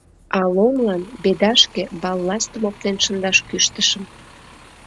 А Ломлан «Бедашке» балластым оптен шындаш кӱштышым.